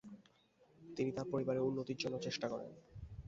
তিনি তার পরিবারের উন্নতির জন্য চেষ্টা করেন।